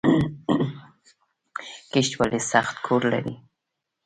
کیشپ ولې سخت کور لري؟